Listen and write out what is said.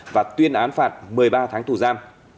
và tuyên án phạt một mươi ba tháng tù giam